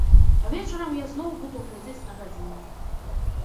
А вечарам я зноў буду глядзець на гадзіннік.